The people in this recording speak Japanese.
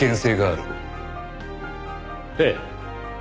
ええ。